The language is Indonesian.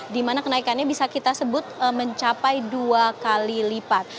di mana kenaikannya bisa kita sebut mencapai dua kali lipat